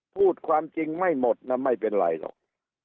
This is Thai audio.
พูดความจริงไม่หมดนะไม่เป็นไรหรอก